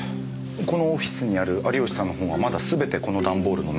このオフィスにある有吉さんの本はまだすべてこのダンボールの中。